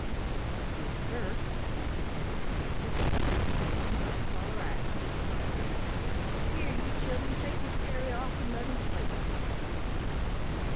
"Yes, sir," answered Teddy, timidly. "Then that's all right," said the Father Bear. "Here, you children, take this fairy off and let him play with you."